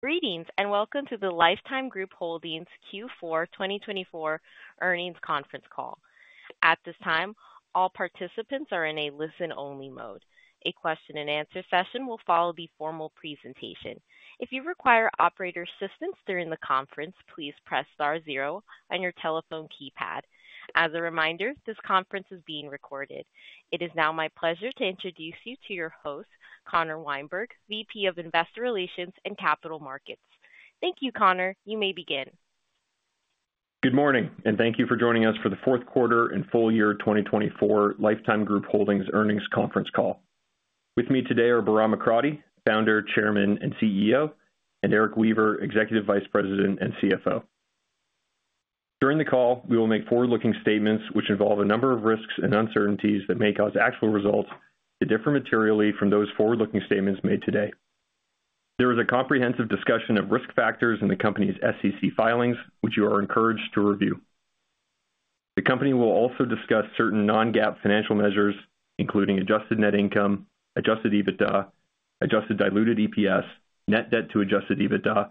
Greetings and welcome to the Life Time Group Holdings Q4 2024 earnings conference call. At this time, all participants are in a listen-only mode. A question-and-answer session will follow the formal presentation. If you require operator assistance during the conference, please press star zero on your telephone keypad. As a reminder, this conference is being recorded. It is now my pleasure to introduce you to your host, Connor Wienberg, VP of Investor Relations and Capital Markets. Thank you, Connor. You may begin. Good morning, and thank you for joining us for the fourth quarter and full year 2024 Life Time Group Holdings earnings conference call. With me today are Bahram Akradi, Founder, Chairman, and CEO, and Erik Weaver, Executive Vice President and CFO. During the call, we will make forward-looking statements which involve a number of risks and uncertainties that may cause actual results that differ materially from those forward-looking statements made today. There is a comprehensive discussion of risk factors in the company's SEC filings, which you are encouraged to review. The company will also discuss certain non-GAAP financial measures, including Adjusted Net Income, Adjusted EBITDA, Adjusted Diluted EPS, net debt to Adjusted EBITDA,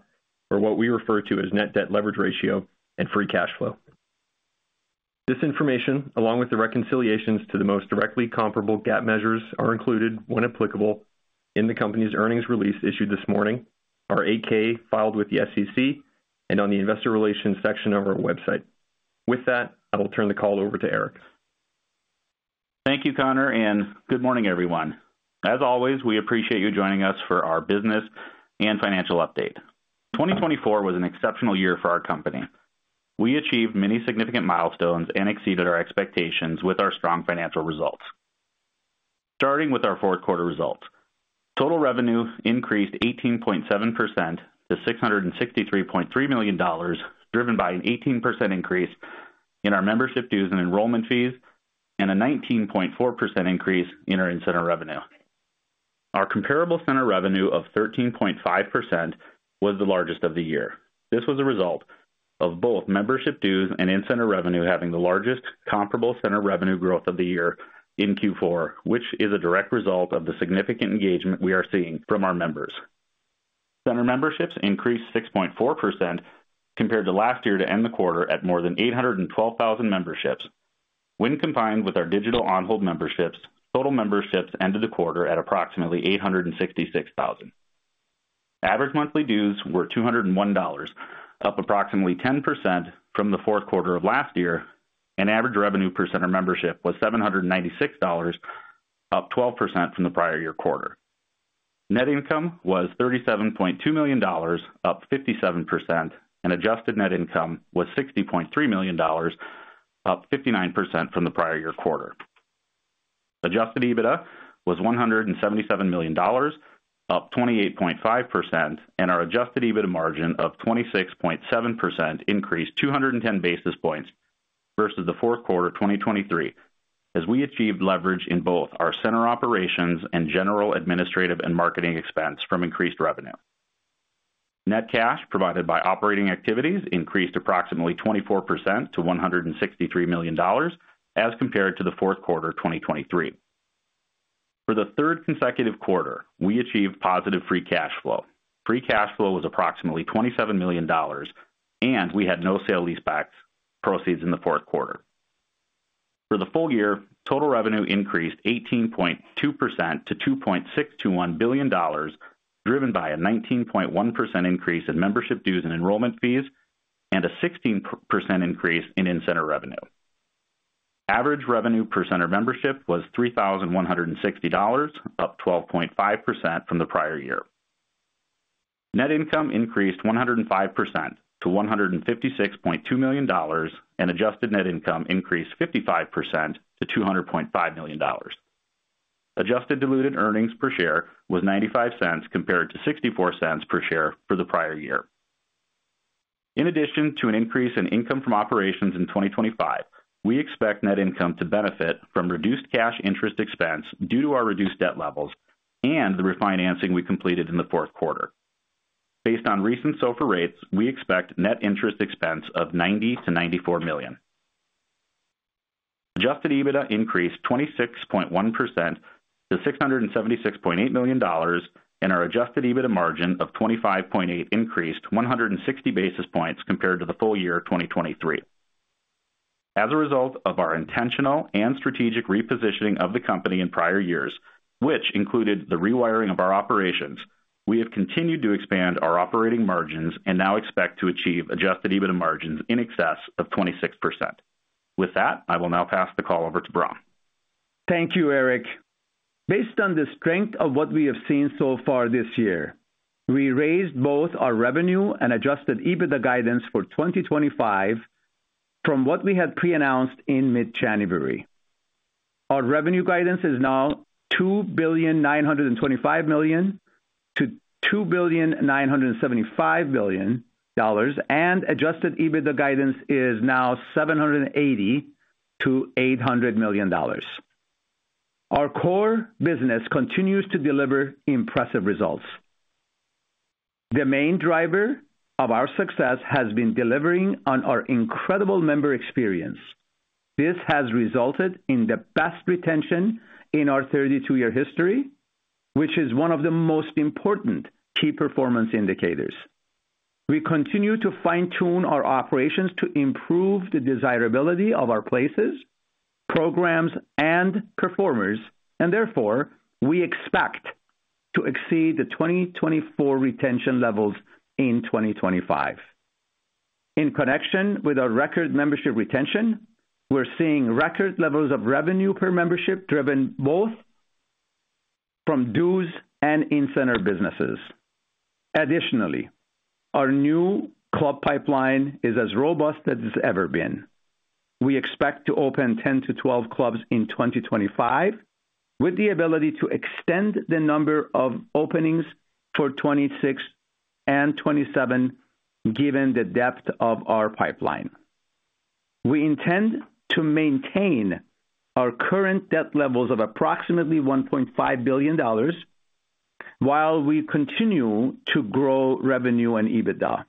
or what we refer to as Net Debt Leverage Ratio, and free cash flow. This information, along with the reconciliations to the most directly comparable GAAP measures, are included, when applicable, in the company's earnings release issued this morning, our 8-K filed with the SEC, and on the investor relations section of our website. With that, I will turn the call over to Erik. Thank you, Connor, and good morning, everyone. As always, we appreciate you joining us for our business and financial update. 2024 was an exceptional year for our company. We achieved many significant milestones and exceeded our expectations with our strong financial results. Starting with our fourth quarter results, total revenue increased 18.7% to $663.3 million, driven by an 18% increase in our membership dues and enrollment fees, and a 19.4% increase in our in-center revenue. Our comparable center revenue of 13.5% was the largest of the year. This was a result of both membership dues and in-center revenue having the largest comparable center revenue growth of the year in Q4, which is a direct result of the significant engagement we are seeing from our members. Center memberships increased 6.4% compared to last year to end the quarter at more than 812,000 memberships. When combined with our digital on-hold memberships, total memberships ended the quarter at approximately 866,000. Average monthly dues were $201, up approximately 10% from the fourth quarter of last year, and average revenue per center membership was $796, up 12% from the prior year quarter. Net Income was $37.2 million, up 57%, and Adjusted Net Income was $60.3 million, up 59% from the prior year quarter. Adjusted EBITDA was $177 million, up 28.5%, and our Adjusted EBITDA margin of 26.7% increased 210 basis points versus the fourth quarter 2023, as we achieved leverage in both our center operations and general administrative and marketing expense from increased revenue. Net cash provided by operating activities increased approximately 24% to $163 million as compared to the fourth quarter 2023. For the third consecutive quarter, we achieved positive free cash flow. Free cash flow was approximately $27 million, and we had no sale-leaseback proceeds in the fourth quarter. For the full year, total revenue increased 18.2% to $2.621 billion, driven by a 19.1% increase in membership dues and enrollment fees, and a 16% increase in in-center revenue. Average revenue per center membership was $3,160, up 12.5% from the prior year. Net income increased 105% to $156.2 million, and Adjusted Net Income increased 55% to $200.5 million. Adjusted diluted earnings per share was $0.95 compared to $0.64 per share for the prior year. In addition to an increase in income from operations in 2025, we expect net income to benefit from reduced cash interest expense due to our reduced debt levels and the refinancing we completed in the fourth quarter. Based on recent SOFR rates, we expect net interest expense of $90-$94 million. Adjusted EBITDA increased 26.1% to $676.8 million, and our Adjusted EBITDA margin of 25.8% increased 160 basis points compared to the full year 2023. As a result of our intentional and strategic repositioning of the company in prior years, which included the rewiring of our operations, we have continued to expand our operating margins and now expect to achieve Adjusted EBITDA margins in excess of 26%. With that, I will now pass the call over to Bahram. Thank you, Erik. Based on the strength of what we have seen so far this year, we raised both our revenue and Adjusted EBITDA guidance for 2025 from what we had pre-announced in mid-January. Our revenue guidance is now $2.925-$2.975 billion, and Adjusted EBITDA guidance is now $780-$800 million. Our core business continues to deliver impressive results. The main driver of our success has been delivering on our incredible member experience. This has resulted in the best retention in our 32-year history, which is one of the most important key performance indicators. We continue to fine-tune our operations to improve the desirability of our places, programs, and performers, and therefore, we expect to exceed the 2024 retention levels in 2025. In connection with our record membership retention, we're seeing record levels of revenue per membership driven both from dues and in-center businesses. Additionally, our new club pipeline is as robust as it's ever been. We expect to open 10 to 12 clubs in 2025, with the ability to extend the number of openings for 2026 and 2027, given the depth of our pipeline. We intend to maintain our current debt levels of approximately $1.5 billion while we continue to grow revenue and EBITDA.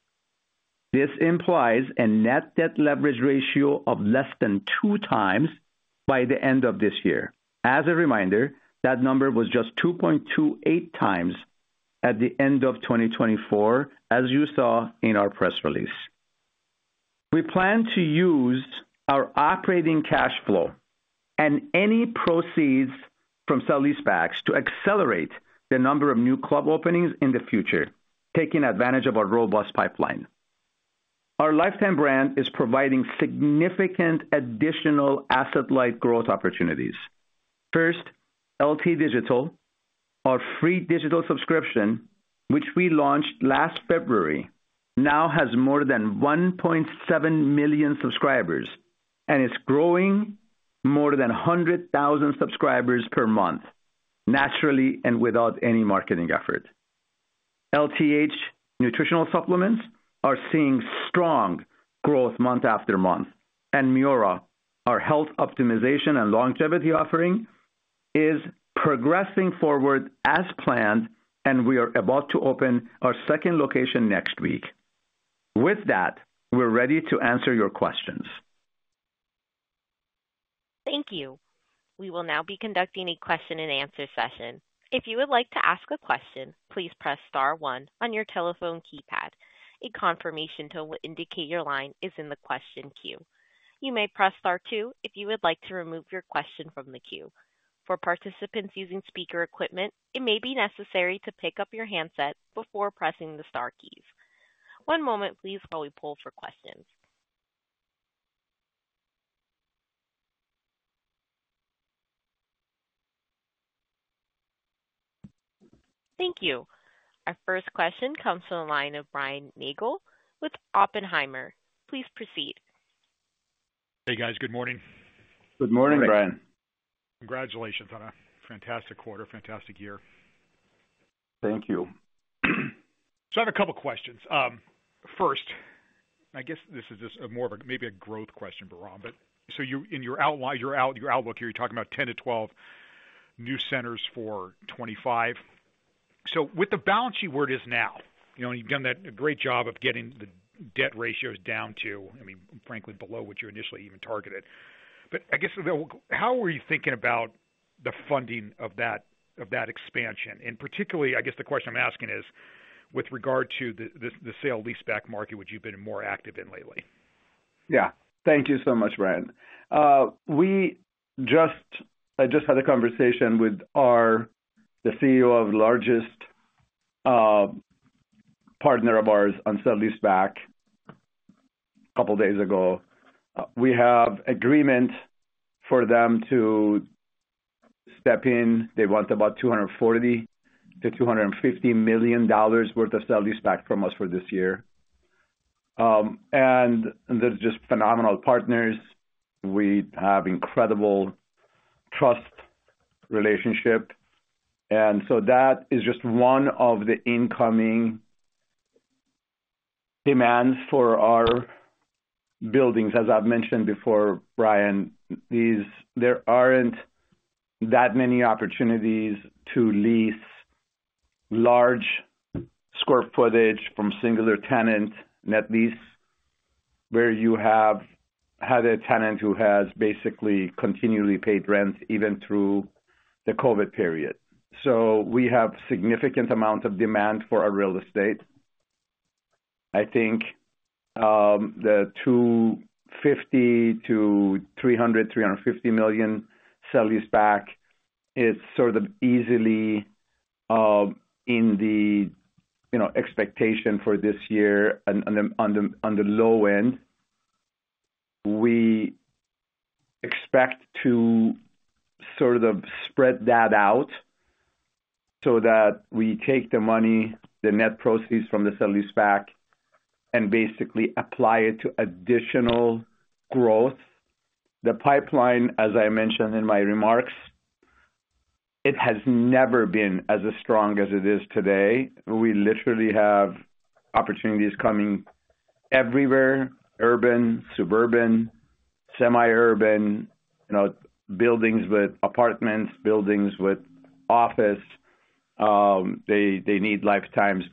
This implies a net debt leverage ratio of less than 2x by the end of this year. As a reminder, that number was just 2.28x at the end of 2024, as you saw in our press release. We plan to use our operating cash flow and any proceeds from sale-leasebacks to accelerate the number of new club openings in the future, taking advantage of our robust pipeline. Our Life Time brand is providing significant additional asset-like growth opportunities. First, LT Digital, our free digital subscription, which we launched last February, now has more than 1.7 million subscribers and is growing more than 100,000 subscribers per month, naturally and without any marketing effort. LTH Nutritional Supplements are seeing strong growth month after month, and MIORA, our health optimization and longevity offering, is progressing forward as planned, and we are about to open our second location next week. With that, we're ready to answer your questions. Thank you. We will now be conducting a question-and-answer session. If you would like to ask a question, please press star one on your telephone keypad. A confirmation to indicate your line is in the question queue. You may press star two if you would like to remove your question from the queue. For participants using speaker equipment, it may be necessary to pick up your handset before pressing the star keys. One moment, please, while we pull for questions. Thank you. Our first question comes from the line of Brian Nagel with Oppenheimer. Please proceed. Hey, guys. Good morning. Good morning, Brian. Congratulations on a fantastic quarter, fantastic year. Thank you. I have a couple of questions. First, I guess this is just more of a maybe a growth question, Bahram, but in your outlook here, you're talking about 10 to 12 new centers for 2025. With the balance sheet where it is now, you've done a great job of getting the debt ratios down to, I mean, frankly, below what you initially even targeted. But I guess, how are you thinking about the funding of that expansion? And particularly, I guess the question I'm asking is, with regard to the sale-leaseback market, which you've been more active in lately? Yeah. Thank you so much, Brian. I just had a conversation with the CEO of the largest partner of ours on sale-leaseback a couple of days ago. We have agreement for them to step in. They want about $240-$250 million worth of sale-leaseback from us for this year. And they're just phenomenal partners. We have an incredible trust relationship. And so that is just one of the incoming demands for our buildings. As I've mentioned before, Brian, there aren't that many opportunities to lease large square footage from singular tenants, net lease where you have had a tenant who has basically continually paid rent even through the COVID period. So we have a significant amount of demand for our real estate. I think the $250-$300, $350 million sale-leaseback is sort of easily in the expectation for this year on the low end. We expect to sort of spread that out so that we take the money, the net proceeds from the sale-leaseback, and basically apply it to additional growth. The pipeline, as I mentioned in my remarks, it has never been as strong as it is today. We literally have opportunities coming everywhere: urban, suburban, semi-urban, buildings with apartments, buildings with office. They need Life Time's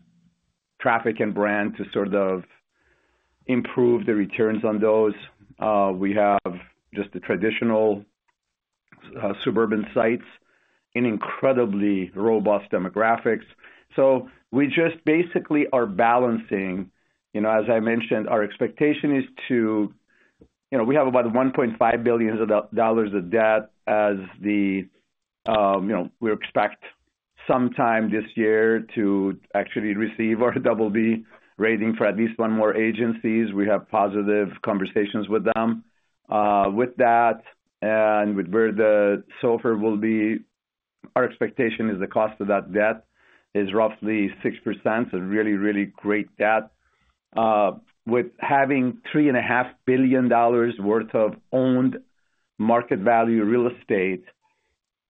traffic and brand to sort of improve the returns on those. We have just the traditional suburban sites in incredibly robust demographics. So we just basically are balancing. As I mentioned, our expectation is to—we have about $1.5 billion of debt as we expect sometime this year to actually receive our double-B rating for at least one more agency. We have positive conversations with them. With that and with where the SOFR will be, our expectation is the cost of that debt is roughly 6%. It's a really, really great debt. With having $3.5 billion worth of owned market value real estate,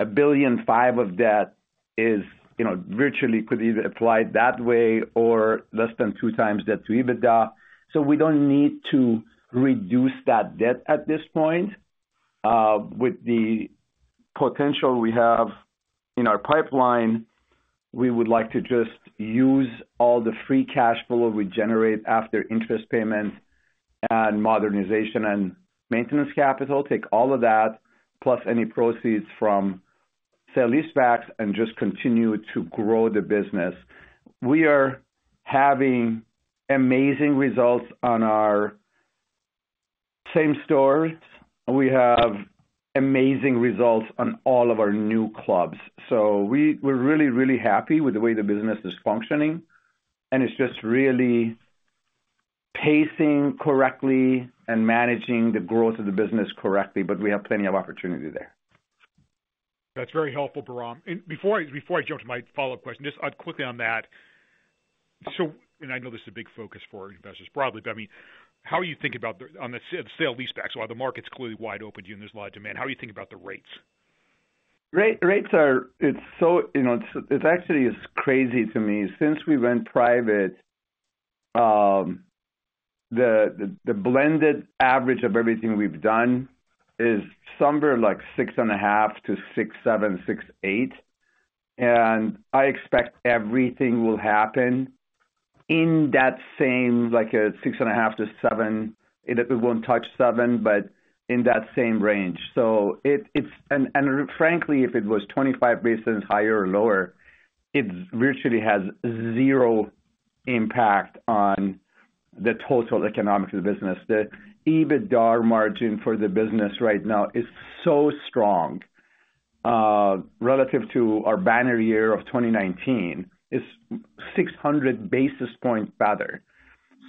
$1.5 billion of debt virtually could either apply that way or less than 2x debt-to-EBITDA. So we don't need to reduce that debt at this point. With the potential we have in our pipeline, we would like to just use all the free cash flow we generate after interest payments and modernization and maintenance capital, take all of that, plus any proceeds from sale-leasebacks, and just continue to grow the business. We are having amazing results on our same stores. We have amazing results on all of our new clubs. So we're really, really happy with the way the business is functioning, and it's just really pacing correctly and managing the growth of the business correctly, but we have plenty of opportunity there. That's very helpful, Bahram. Before I jump to my follow-up question, just quickly on that, and I know this is a big focus for investors broadly, but I mean, how do you think about the sale-leasebacks? While the market's clearly wide open to you and there's a lot of demand, how do you think about the rates? Rates are, It's actually crazy to me. Since we went private, the blended average of everything we've done is somewhere like 6.5%-6.7%, 6.8%, and I expect everything will happen in that same, like a 6.5%-7%. It won't touch 7%, but in that same range. And frankly, if it was 25 basis points higher or lower, it virtually has zero impact on the total economic of the business. The EBITDA margin for the business right now is so strong relative to our banner year of 2019. It's 600 basis points better,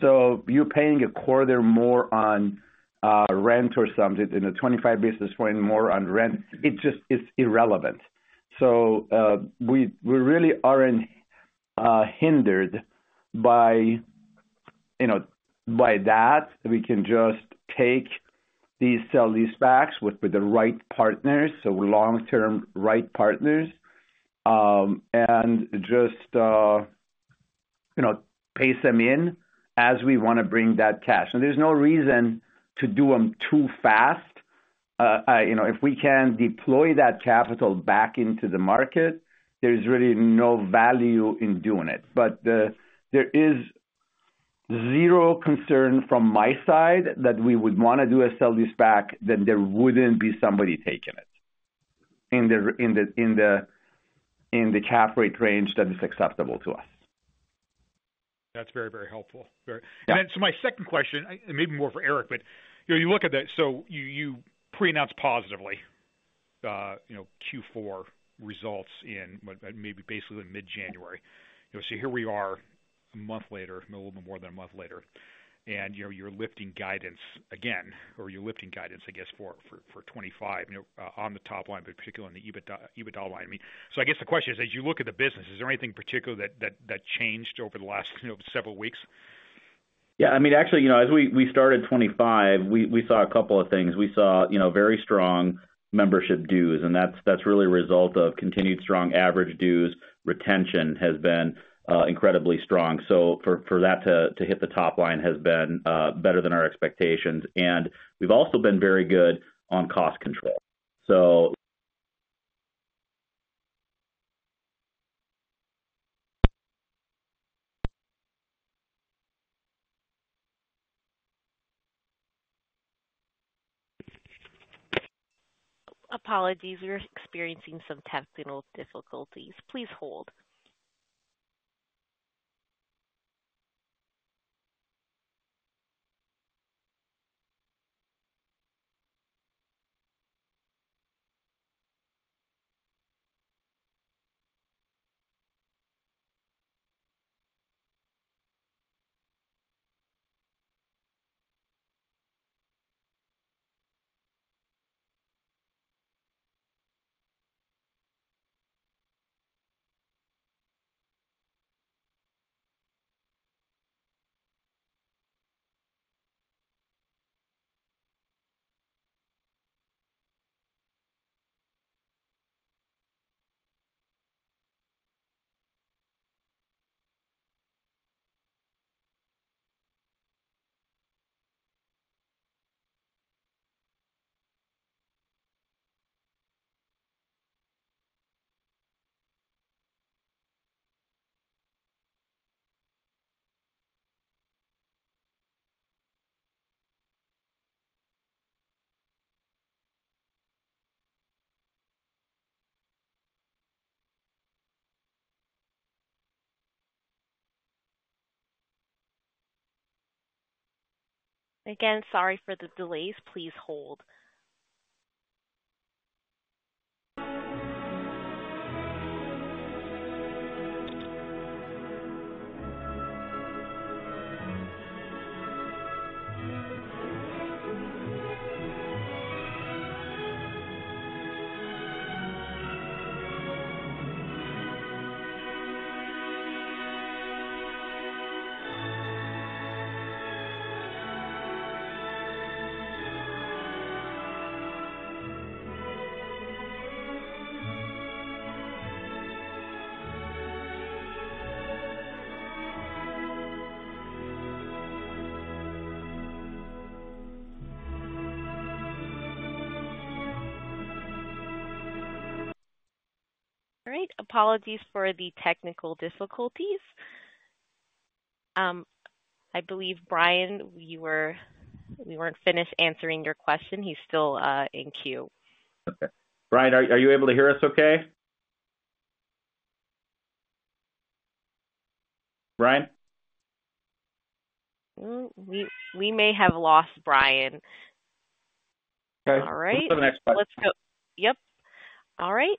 so you're paying a quarter more on rent or something, and a 25 basis point more on rent. It's irrelevant, so we really aren't hindered by that. We can just take these sale-leasebacks with the right partners, so long-term right partners, and just pace them in as we want to bring that cash. There's no reason to do them too fast. If we can deploy that capital back into the market, there's really no value in doing it. There is zero concern from my side that we would want to do a sale-leaseback. Then there wouldn't be somebody taking it in the cap rate range that is acceptable to us. That's very, very helpful. And then so my second question, maybe more for Erik, but you look at that. So you pre-announced positive Q4 results in maybe basically mid-January. So here we are a month later, a little bit more than a month later, and you're lifting guidance again, or you're lifting guidance, I guess, for 2025 on the top line, but particularly on the EBITDA line. I mean, so I guess the question is, as you look at the business, is there anything particular that changed over the last several weeks? Yeah. I mean, actually, as we started 2025, we saw a couple of things. We saw very strong membership dues, and that's really a result of continued strong average dues. Retention has been incredibly strong. So for that to hit the top line has been better than our expectations. And we've also been very good on cost control. So. Apologies, we're experiencing some technical difficulties. Please hold. Again, sorry for the delays. Please hold. All right. Apologies for the technical difficulties. I believe, Brian, we weren't finished answering your question. He's still in queue. Okay. Brian, are you able to hear us okay? Brian? We may have lost Brian. Okay. All right. Let's go to the next question. Yep. All right.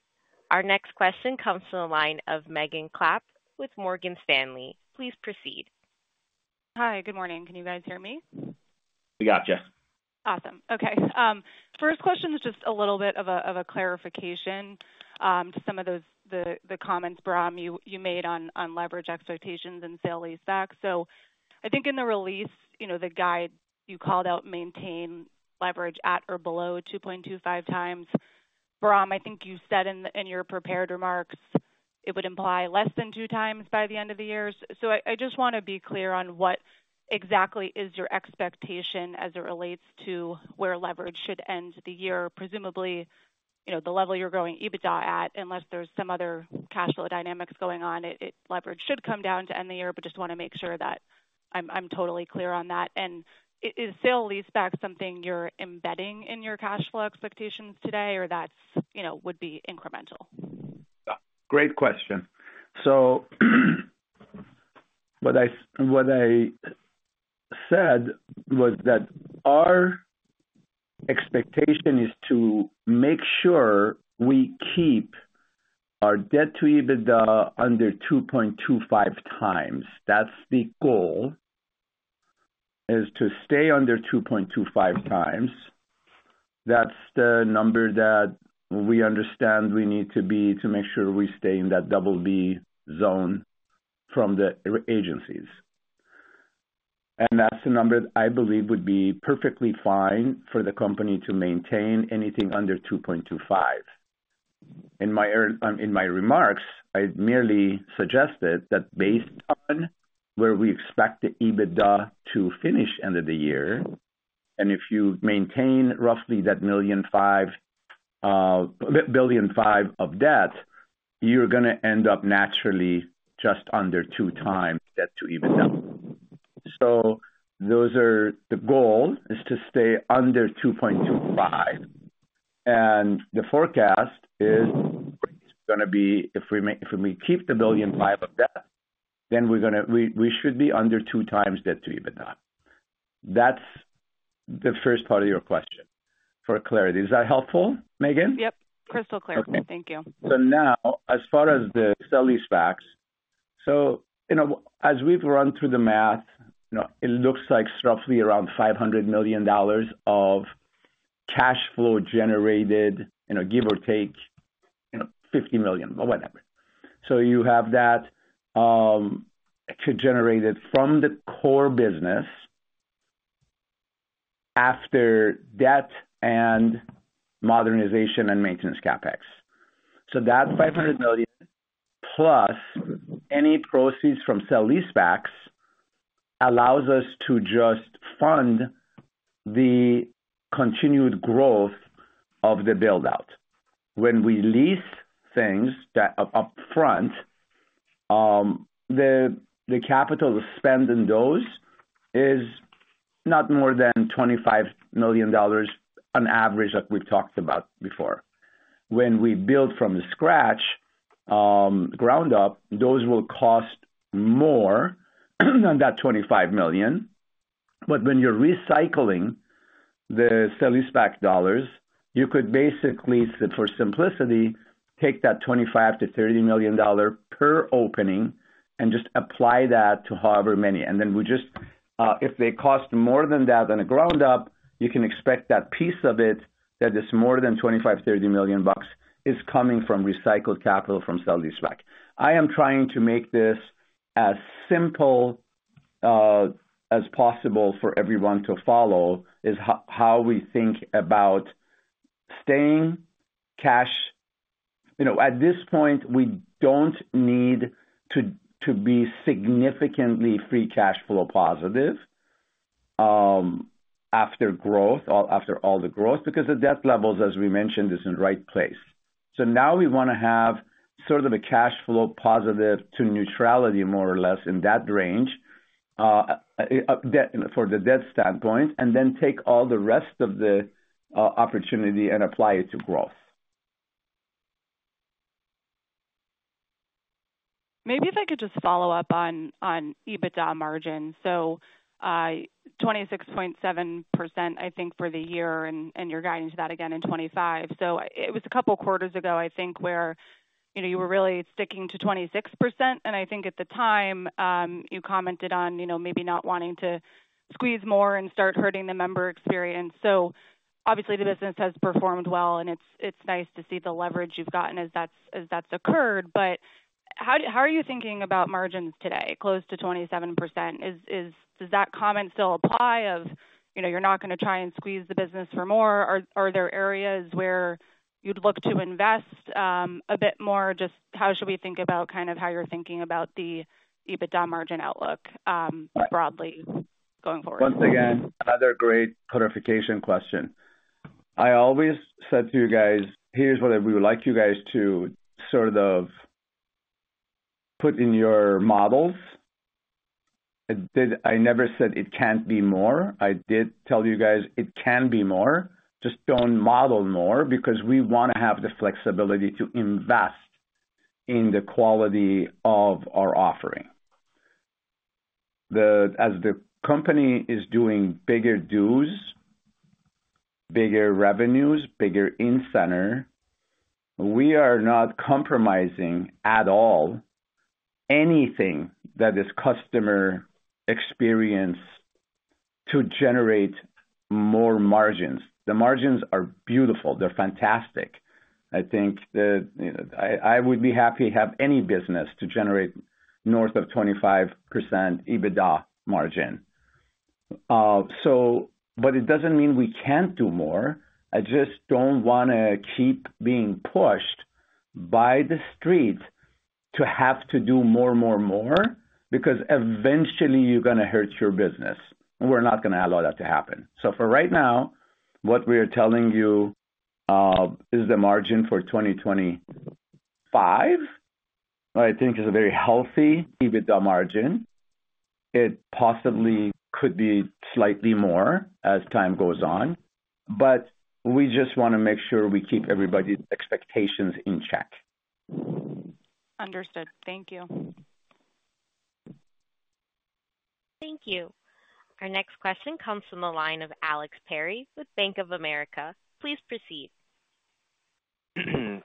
Our next question comes from the line of Megan Clapp with Morgan Stanley. Please proceed. Hi. Good morning. Can you guys hear me? We got you. Awesome. Okay. First question is just a little bit of a clarification to some of the comments, Bahram, you made on leverage expectations and sale-leaseback. So I think in the release, the guide, you called out maintain leverage at or below 2.25x. Bahram, I think you said in your prepared remarks it would imply less than 2x by the end of the year. So I just want to be clear on what exactly is your expectation as it relates to where leverage should end the year, presumably the level you're growing EBITDA at, unless there's some other cash flow dynamics going on. Leverage should come down to end the year, but just want to make sure that I'm totally clear on that, and is sale-leaseback something you're embedding in your cash flow expectations today, or that would be incremental? Great question. So what I said was that our expectation is to make sure we keep our debt-to-EBITDA under 2.25x. That's the goal, is to stay under 2.25x. That's the number that we understand we need to be to make sure we stay in that double-B zone from the agencies. And that's the number that I believe would be perfectly fine for the company to maintain anything under 2.25x. In my remarks, I merely suggested that based on where we expect the EBITDA to finish end of the year, and if you maintain roughly that $1.5 billion of debt, you're going to end up naturally just under 2x debt-to-EBITDA. So the goal is to stay under 2.25x. And the forecast is going to be if we keep the $1.5 billion of debt, then we should be under 2x debt-to-EBITDA. That's the first part of your question for clarity. Is that helpful, Megan? Yep. Crystal clear for me. Thank you. So now, as far as the sale-leasebacks, so as we've run through the math, it looks like roughly around $500 million of cash flow generated, give or take $50 million, whatever. So you have that generated from the core business after debt and modernization and maintenance CapEx. So that $500 million plus any proceeds from sale-leasebacks allows us to just fund the continued growth of the build-out. When we lease things upfront, the capital to spend in those is not more than $25 million on average, like we've talked about before. When we build from scratch, ground up, those will cost more than that $25 million. But when you're recycling the sale-leaseback dollars, you could basically, for simplicity, take that $25-$30 million dollar per opening and just apply that to however many. Then if they cost more than that on the ground up, you can expect that piece of it that is more than $25-$30 million is coming from recycled capital from sale-leaseback. I am trying to make this as simple as possible for everyone to follow is how we think about staying cash. At this point, we don't need to be significantly free cash flow positive after growth, after all the growth, because the debt levels, as we mentioned, is in the right place. Now we want to have sort of a cash flow positive to neutrality, more or less, in that range for the debt standpoint, and then take all the rest of the opportunity and apply it to growth. Maybe if I could just follow up on EBITDA margin. So 26.7%, I think, for the year, and you're guiding to that again in 2025. So it was a couple of quarters ago, I think, where you were really sticking to 26%. And I think at the time, you commented on maybe not wanting to squeeze more and start hurting the member experience. So obviously, the business has performed well, and it's nice to see the leverage you've gotten as that's occurred. But how are you thinking about margins today, close to 27%? Does that comment still apply that you're not going to try and squeeze the business for more? Are there areas where you'd look to invest a bit more? Just how should we think about kind of how you're thinking about the EBITDA margin outlook broadly going forward? Once again, another great clarification question. I always said to you guys, "Here's what we would like you guys to sort of put in your models." I never said it can't be more. I did tell you guys, "It can be more. Just don't model more because we want to have the flexibility to invest in the quality of our offering." As the company is doing bigger dues, bigger revenues, bigger incentive, we are not compromising at all anything that is customer experience to generate more margins. The margins are beautiful. They're fantastic. I think I would be happy to have any business to generate north of 25% EBITDA margin. But it doesn't mean we can't do more. I just don't want to keep being pushed by the street to have to do more, more, more because eventually, you're going to hurt your business. We're not going to allow that to happen. So for right now, what we are telling you is the margin for 2025, I think, is a very healthy EBITDA margin. It possibly could be slightly more as time goes on, but we just want to make sure we keep everybody's expectations in check. Understood. Thank you. Thank you. Our next question comes from the line of Alex Perry with Bank of America. Please proceed.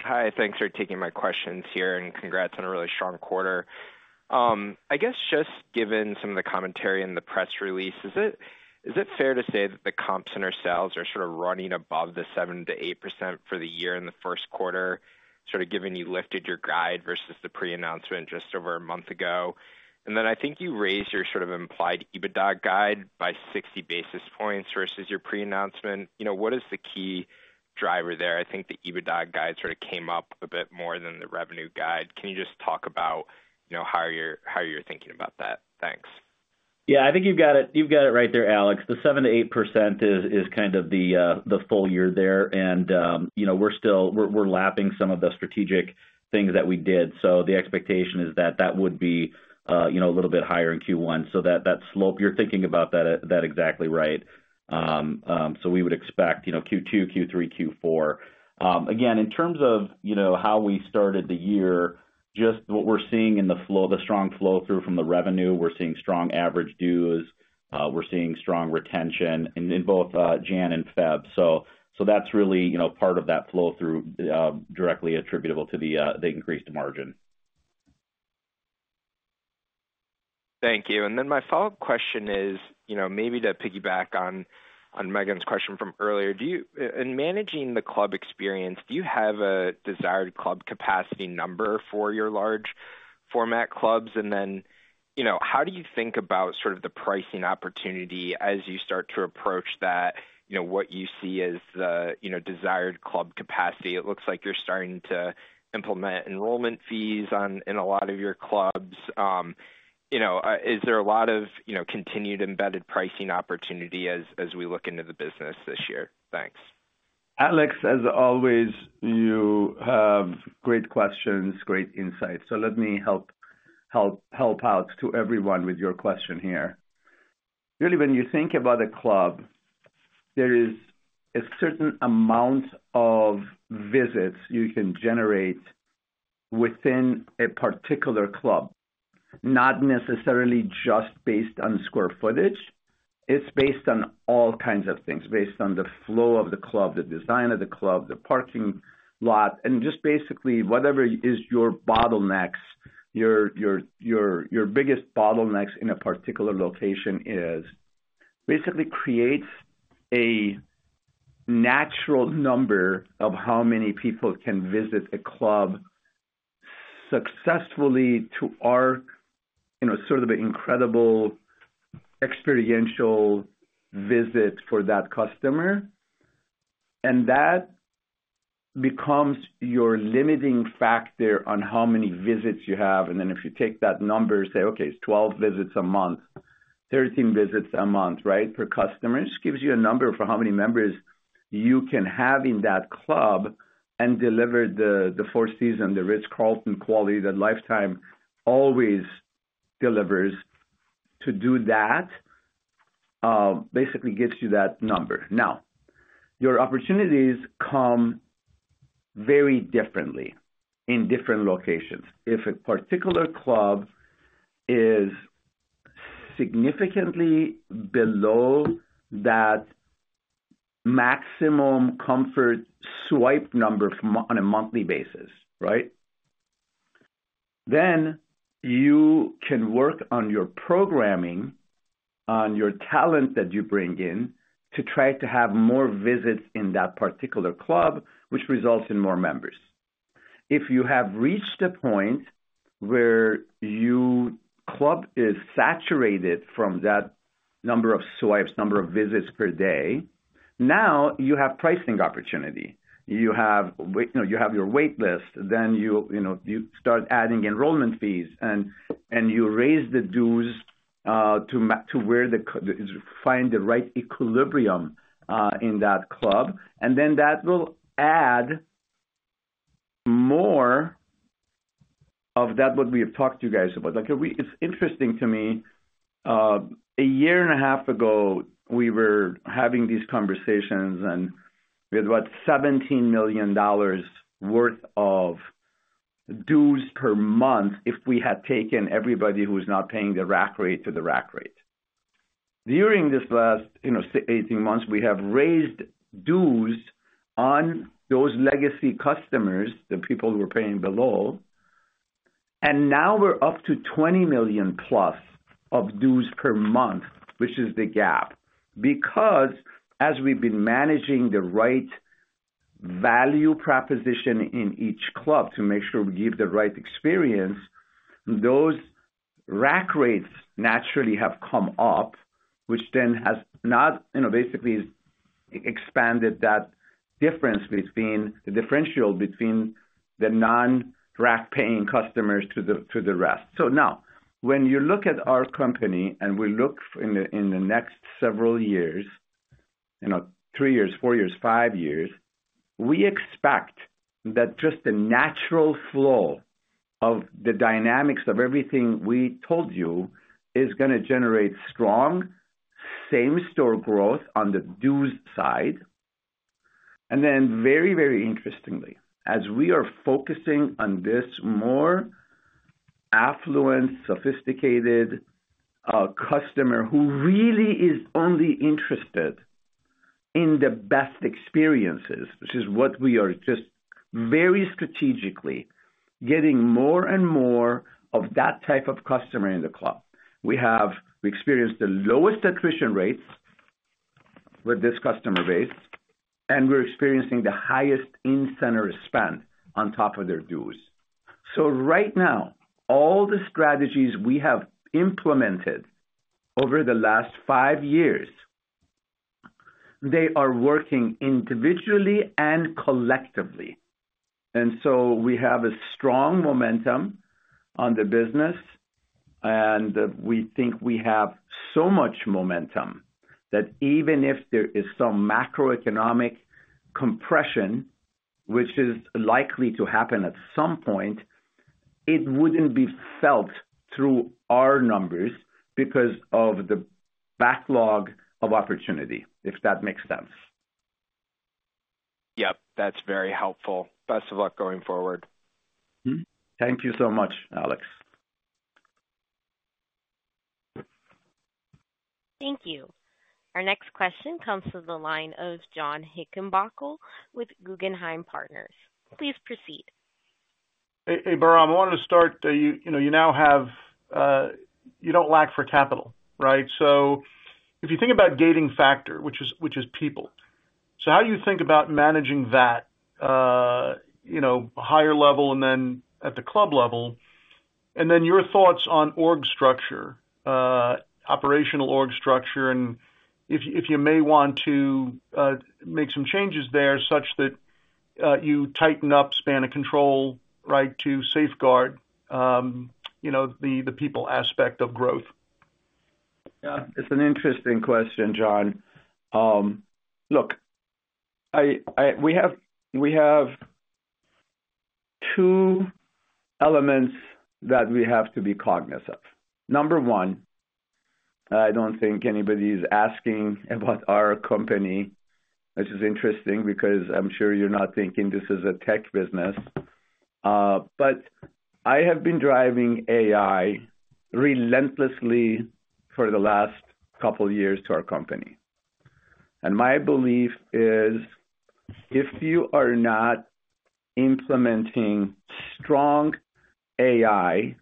Hi. Thanks for taking my questions here, and congrats on a really strong quarter. I guess just given some of the commentary in the press release, is it fair to say that the comps and ourselves are sort of running above the 7%-8% for the year in the first quarter, sort of given you lifted your guide versus the pre-announcement just over a month ago? And then I think you raised your sort of implied EBITDA guide by 60 basis points versus your pre-announcement. What is the key driver there? I think the EBITDA guide sort of came up a bit more than the revenue guide. Can you just talk about how you're thinking about that? Thanks. Yeah. I think you've got it right there, Alex. The 7%-8% is kind of the full year there, and we're lapping some of the strategic things that we did. So the expectation is that that would be a little bit higher in Q1. So that slope, you're thinking about that exactly right. So we would expect Q2, Q3, Q4. Again, in terms of how we started the year, just what we're seeing in the flow, the strong flow through from the revenue, we're seeing strong average dues. We're seeing strong retention in both January and February. So that's really part of that flow through directly attributable to the increased margin. Thank you. And then my follow-up question is maybe to piggyback on Megan's question from earlier. In managing the club experience, do you have a desired club capacity number for your large-format clubs? And then how do you think about sort of the pricing opportunity as you start to approach that, what you see as the desired club capacity? It looks like you're starting to implement enrollment fees in a lot of your clubs. Is there a lot of continued embedded pricing opportunity as we look into the business this year? Thanks. Alex, as always, you have great questions, great insight. So let me help out to everyone with your question here. Really, when you think about a club, there is a certain amount of visits you can generate within a particular club, not necessarily just based on square footage. It's based on all kinds of things, based on the flow of the club, the design of the club, the parking lot, and just basically whatever is your bottlenecks, your biggest bottlenecks in a particular location, basically creates a natural number of how many people can visit a club successfully to our sort of incredible experiential visit for that customer, and that becomes your limiting factor on how many visits you have. And then if you take that number and say, "Okay, it's 12 visits a month, 13 visits a month, right, per customer," it gives you a number for how many members you can have in that club and deliver the four-season, The Ritz-Carlton quality that Life Time always delivers. To do that basically gives you that number. Now, your opportunities come very differently in different locations. If a particular club is significantly below that maximum comfort swipe number on a monthly basis, right, then you can work on your programming, on your talent that you bring in to try to have more visits in that particular club, which results in more members. If you have reached a point where your club is saturated from that number of swipes, number of visits per day, now you have pricing opportunity. You have your waitlist. Then you start adding enrollment fees, and you raise the dues to find the right equilibrium in that club. And then that will add more of that, what we have talked to you guys about. It's interesting to me. A year and a half ago, we were having these conversations, and we had about $17 million worth of dues per month if we had taken everybody who was not paying the rack rate to the rack rate. During this last 18 months, we have raised dues on those legacy customers, the people who are paying below. And now we're up to $20+ million of dues per month, which is the gap. Because as we've been managing the right value proposition in each club to make sure we give the right experience, those rack rates naturally have come up, which then has not basically expanded that difference between the differential between the non-rack paying customers to the rest. So now, when you look at our company and we look in the next several years, three years, four years, five years, we expect that just the natural flow of the dynamics of everything we told you is going to generate strong same-store growth on the dues side. And then very, very interestingly, as we are focusing on this more affluent, sophisticated customer who really is only interested in the best experiences, which is what we are just very strategically getting more and more of that type of customer in the club. We experienced the lowest attrition rates with this customer base, and we're experiencing the highest incentive spend on top of their dues. So right now, all the strategies we have implemented over the last five years, they are working individually and collectively. And so we have a strong momentum on the business, and we think we have so much momentum that even if there is some macroeconomic compression, which is likely to happen at some point, it wouldn't be felt through our numbers because of the backlog of opportunity, if that makes sense. Yep. That's very helpful. Best of luck going forward. Thank you so much, Alex. Thank you. Our next question comes from the line of John Heinbockel with Guggenheim Partners. Please proceed. Hey, Bahram, I wanted to start. You now have you don't lack for capital, right? So if you think about gating factor, which is people, so how do you think about managing that higher level and then at the club level? And then your thoughts on org structure, operational org structure, and if you may want to make some changes there such that you tighten up span of control, right, to safeguard the people aspect of growth? Yeah. It's an interesting question, John. Look, we have two elements that we have to be cognizant of. Number one, I don't think anybody's asking about our company. This is interesting because I'm sure you're not thinking this is a tech business. But I have been driving AI relentlessly for the last couple of years to our company. And my belief is if you are not implementing strong AI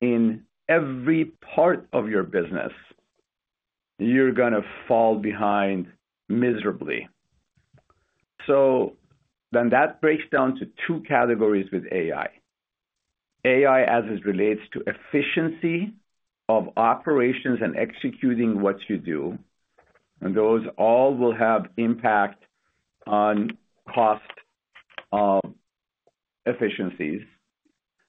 in every part of your business, you're going to fall behind miserably. So then that breaks down to two categories with AI. AI as it relates to efficiency of operations and executing what you do. And those all will have impact on cost of efficiencies.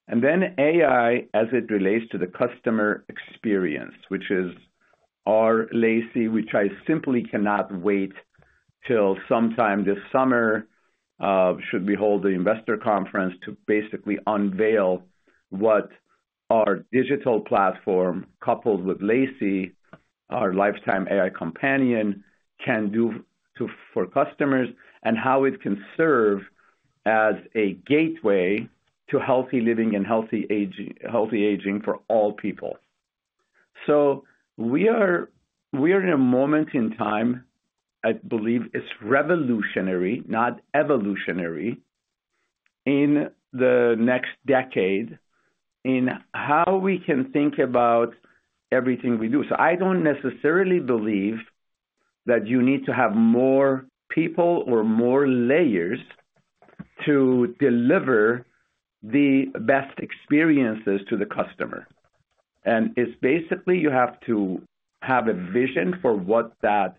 And then AI as it relates to the customer experience, which is our L•AI•C, which I simply cannot wait till sometime this summer should we hold the investor conference to basically unveil what our digital platform coupled with L•AI•C, our Life Time AI companion, can do for customers and how it can serve as a gateway to healthy living and healthy aging for all people. So we are in a moment in time, I believe it's revolutionary, not evolutionary, in the next decade in how we can think about everything we do. So I don't necessarily believe that you need to have more people or more layers to deliver the best experiences to the customer. And it's basically you have to have a vision for what that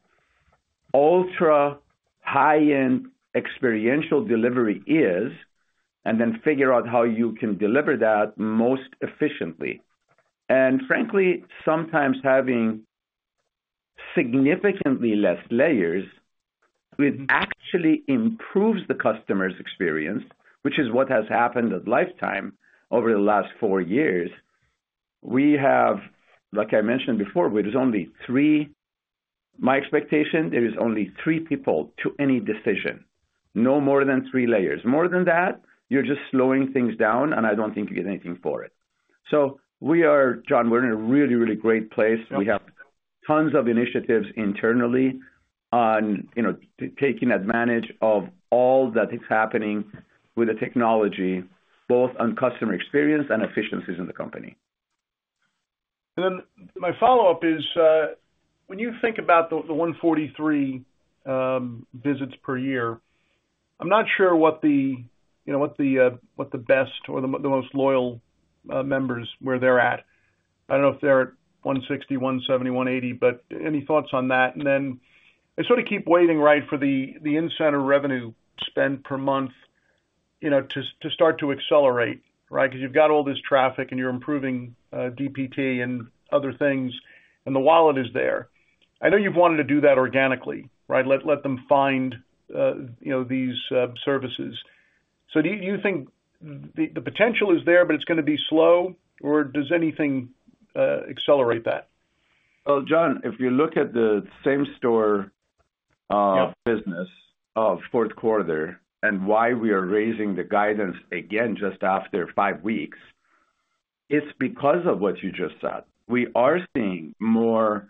ultra high-end experiential delivery is and then figure out how you can deliver that most efficiently. Frankly, sometimes having significantly less layers actually improves the customer's experience, which is what has happened at Life Time over the last four years. We have, like I mentioned before, with only three. My expectation, there is only three people to any decision, no more than three layers. More than that, you're just slowing things down, and I don't think you get anything for it. We are, John, we're in a really, really great place. We have tons of initiatives internally on taking advantage of all that is happening with the technology, both on customer experience and efficiencies in the company. And then my follow-up is when you think about the 143 visits per year, I'm not sure what the best or the most loyal members where they're at. I don't know if they're at 160, 170, 180, but any thoughts on that? And then I sort of keep waiting, right, for the in-center revenue spend per month to start to accelerate, right? Because you've got all this traffic and you're improving DPT and other things, and the wallet is there. I know you've wanted to do that organically, right? Let them find these services. So do you think the potential is there, but it's going to be slow, or does anything accelerate that? John, if you look at the same store business of fourth quarter and why we are raising the guidance again just after five weeks, it's because of what you just said. We are seeing more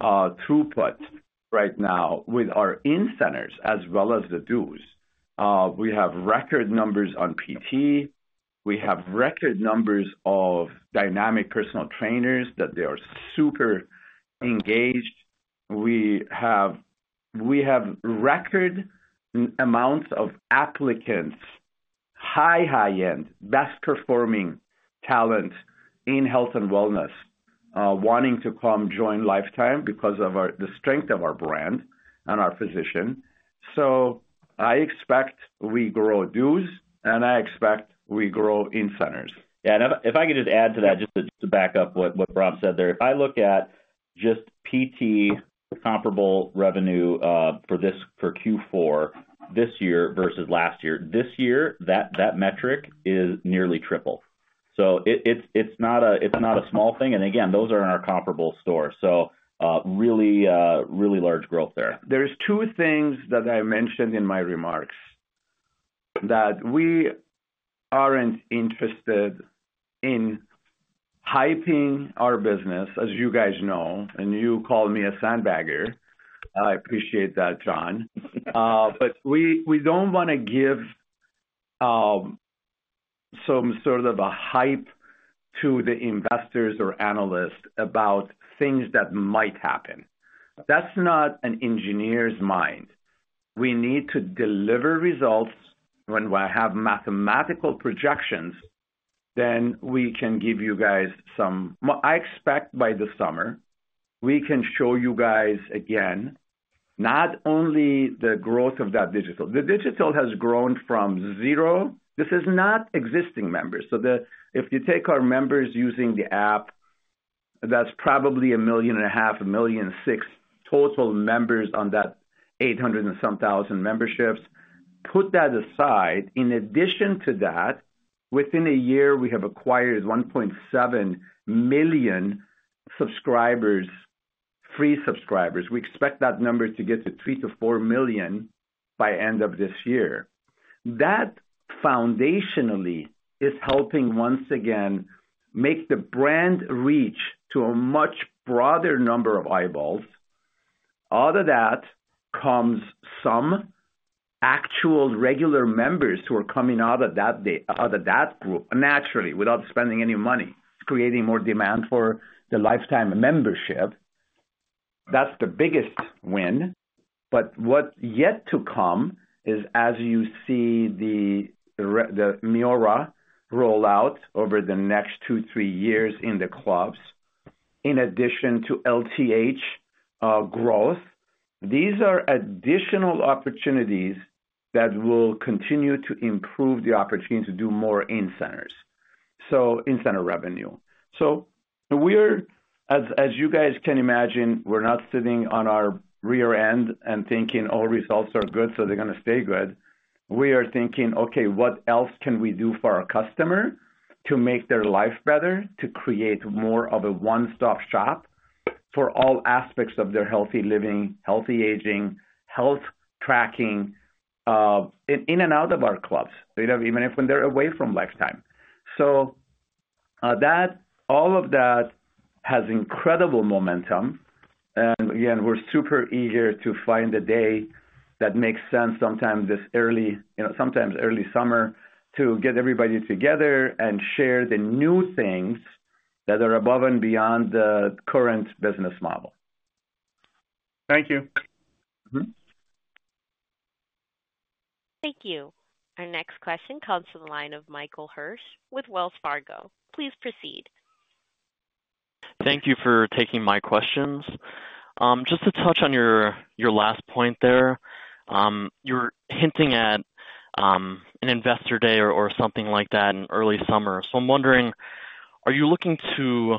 throughput right now with our incentives as well as the dues. We have record numbers on PT. We have record numbers of dynamic personal trainers that they are super engaged. We have record amounts of applicants, high, high-end, best-performing talent in health and wellness wanting to come join Life Time because of the strength of our brand and our position. I expect we grow dues, and I expect we grow incentives. Yeah. And if I could just add to that, just to back up what Bahram said there, if I look at just PT, the comparable revenue for Q4 this year versus last year, this year, that metric is nearly triple. So it's not a small thing. And again, those are in our comparable store. So really, really large growth there. There are two things that I mentioned in my remarks that we aren't interested in hyping our business, as you guys know, and you call me a sandbagger. I appreciate that, John. But we don't want to give some sort of a hype to the investors or analysts about things that might happen. That's not an engineer's mind. We need to deliver results. When we have mathematical projections, then we can give you guys some. I expect by the summer, we can show you guys again, not only the growth of that digital. The digital has grown from zero. This is not existing members. So if you take our members using the app, that's probably 1.5 million, 1.6 million total members on that 800-something thousand memberships. Put that aside. In addition to that, within a year, we have acquired 1.7 million subscribers, free subscribers. We expect that number to get to 3-4 million by the end of this year. That foundationally is helping once again make the brand reach to a much broader number of eyeballs. Out of that comes some actual regular members who are coming out of that group naturally without spending any money, creating more demand for the Life Time membership. That's the biggest win. But what's yet to come is, as you see the MIORA rollout over the next two, three years in the clubs, in addition to LTH growth, these are additional opportunities that will continue to improve the opportunity to do more in-center, so in-center revenue. So we are, as you guys can imagine, we're not sitting on our rear end and thinking, "Oh, results are good, so they're going to stay good." We are thinking, "Okay, what else can we do for our customer to make their life better, to create more of a one-stop shop for all aspects of their healthy living, healthy aging, health tracking in and out of our clubs, even if when they're away from Life Time?" So all of that has incredible momentum. And again, we're super eager to find a day that makes sense sometime this early, sometimes early summer, to get everybody together and share the new things that are above and beyond the current business model. Thank you. Thank you. Our next question comes from the line of Michael Hirsch with Wells Fargo. Please proceed. Thank you for taking my questions. Just to touch on your last point there, you're hinting at an investor day or something like that in early summer. So I'm wondering, are you looking to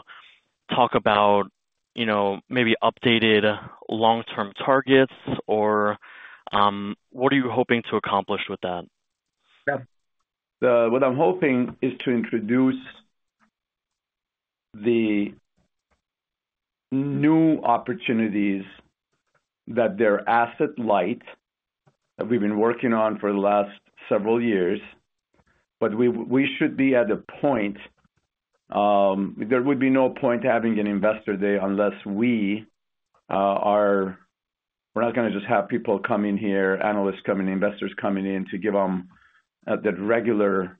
talk about maybe updated long-term targets, or what are you hoping to accomplish with that? Yeah. What I'm hoping is to introduce the new opportunities that are asset light that we've been working on for the last several years. But we should be at a point there would be no point having an investor day unless we are not going to just have people coming here, analysts coming, investors coming in to give them that regular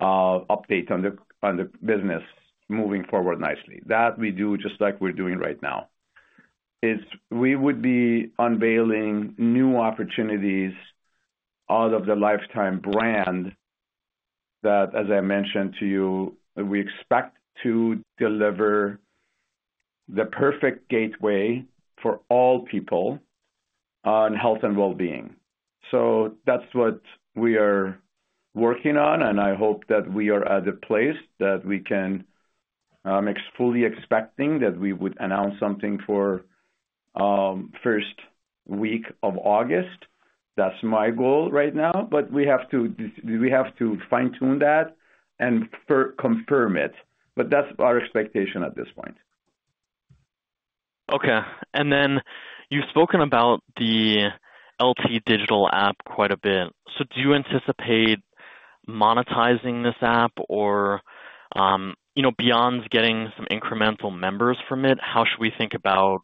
update on the business moving forward nicely. That we do just like we're doing right now is we would be unveiling new opportunities out of the Life Time brand that, as I mentioned to you, we expect to deliver the perfect gateway for all people on health and well-being. So that's what we are working on, and I hope that we are at a place that we can fully expecting that we would announce something for first week of August. That's my goal right now, but we have to fine-tune that and confirm it. But that's our expectation at this point. Okay. And then you've spoken about the LT Digital app quite a bit. So do you anticipate monetizing this app, or beyond getting some incremental members from it, how should we think about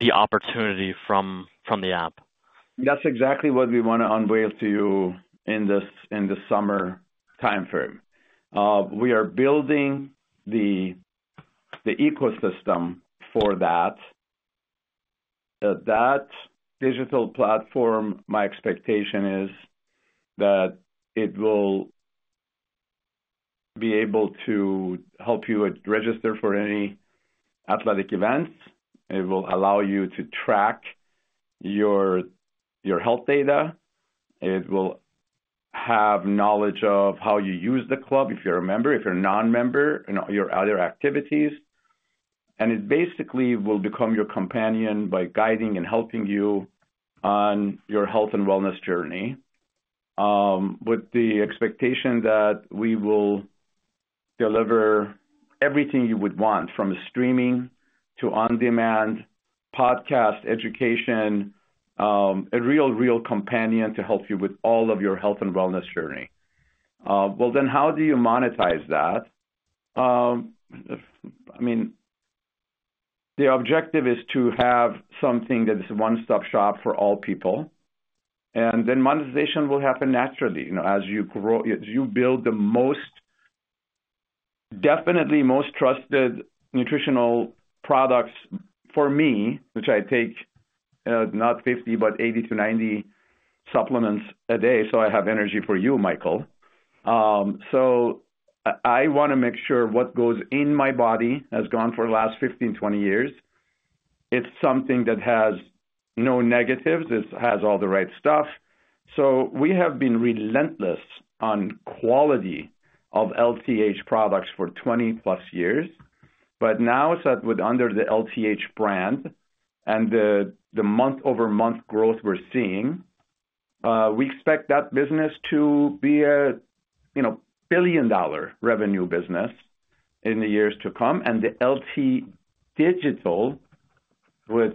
the opportunity from the app? That's exactly what we want to unveil to you in the summer timeframe. We are building the ecosystem for that. That digital platform, my expectation is that it will be able to help you register for any athletic events. It will allow you to track your health data. It will have knowledge of how you use the club if you're a member, if you're a non-member, and your other activities. And it basically will become your companion by guiding and helping you on your health and wellness journey with the expectation that we will deliver everything you would want from streaming to on-demand podcast education, a real, real companion to help you with all of your health and wellness journey. Well, then how do you monetize that? I mean, the objective is to have something that is a one-stop shop for all people. And then monetization will happen naturally. As you build the most, definitely most trusted nutritional products for me, which I take not 50, but 80-90 supplements a day, so I have energy for you, Michael, so I want to make sure what goes in my body has gone for the last 15-20 years. It's something that has no negatives. It has all the right stuff, so we have been relentless on quality of LTH products for 20+ years, but now it's under the LTH brand and the month-over-month growth we're seeing. We expect that business to be a billion-dollar revenue business in the years to come, and the LT Digital with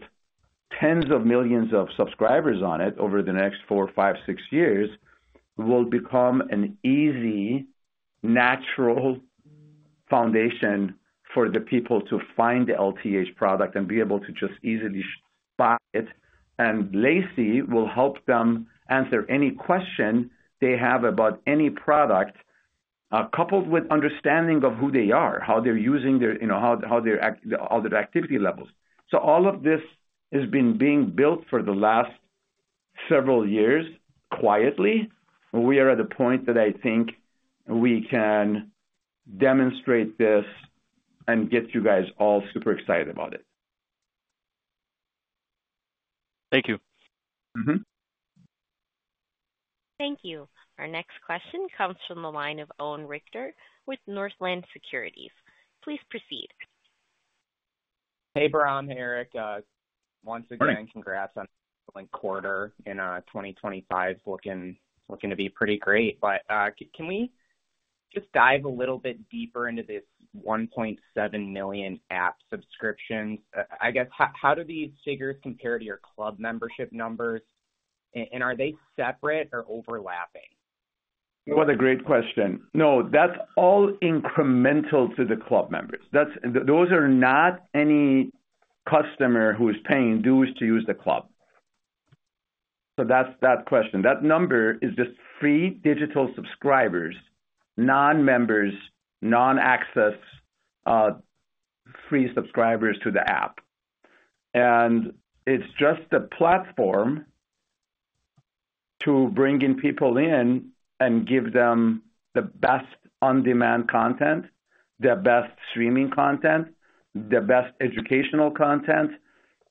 tens of millions of subscribers on it over the next four, five, six years will become an easy, natural foundation for the people to find the LTH product and be able to just easily buy it. And Lacey will help them answer any question they have about any product coupled with understanding of who they are, how they're using their, how their activity levels. So all of this has been being built for the last several years quietly. We are at a point that I think we can demonstrate this and get you guys all super excited about it. Thank you. Thank you. Our next question comes from the line of Owen Rickert with Northland Securities. Please proceed. Hey, Bahram, Erik, once again, congrats on Q1 in 2025 looking to be pretty great. But can we just dive a little bit deeper into this 1.7 million app subscriptions? I guess, how do these figures compare to your club membership numbers? And are they separate or overlapping? What a great question. No, that's all incremental to the club members. Those are not any customer who is paying dues to use the club. So that's that question. That number is just free digital subscribers, non-members, non-access, free subscribers to the app. And it's just the platform to bring in people in and give them the best on-demand content, the best streaming content, the best educational content,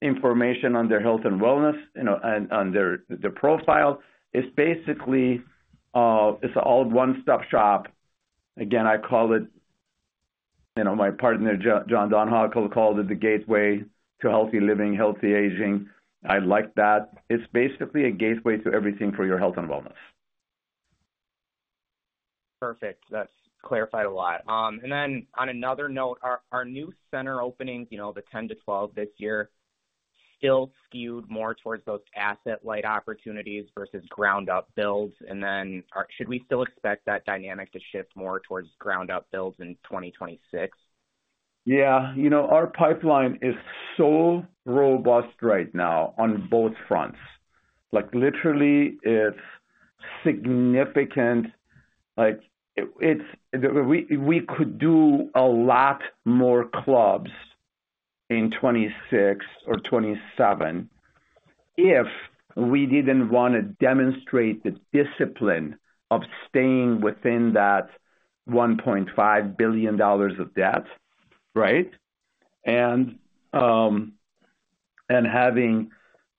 information on their health and wellness and on their profile. It's basically all one-stop shop. Again, I call it my partner, John Donahoe, called it the gateway to healthy living, healthy aging. I like that. It's basically a gateway to everything for your health and wellness. Perfect. That's clarified a lot. And then on another note, our new center opening, the 10-12 this year, still skewed more towards those asset light opportunities versus ground-up builds. And then should we still expect that dynamic to shift more towards ground-up builds in 2026? Yeah. Our pipeline is so robust right now on both fronts. Literally, it's significant. We could do a lot more clubs in 2026 or 2027 if we didn't want to demonstrate the discipline of staying within that $1.5 billion of debt, right, and having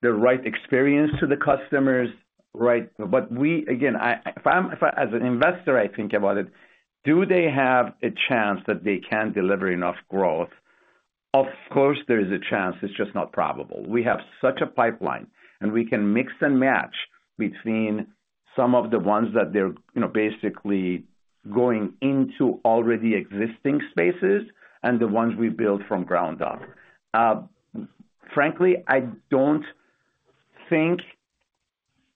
the right experience to the customers, right? But we, again, as an investor, I think about it, do they have a chance that they can deliver enough growth? Of course, there is a chance. It's just not probable. We have such a pipeline, and we can mix and match between some of the ones that they're basically going into already existing spaces and the ones we build from ground up. Frankly, I don't think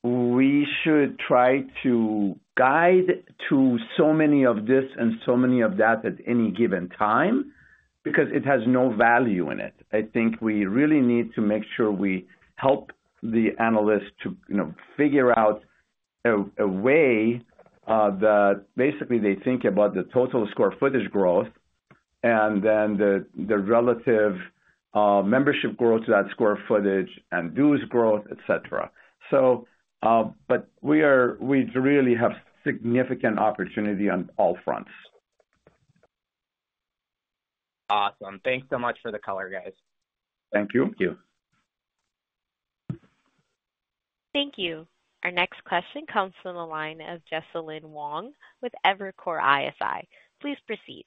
we should try to guide to so many of this and so many of that at any given time because it has no value in it. I think we really need to make sure we help the analysts to figure out a way that basically they think about the total square footage growth and then the relative membership growth to that square footage and dues growth, etc. But we really have significant opportunity on all fronts. Awesome. Thanks so much for the color, guys. Thank you. Thank you. Thank you. Our next question comes from the line of Jesalyn Wong with Evercore ISI. Please proceed.